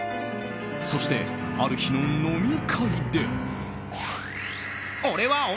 そして、ある日の飲み会で。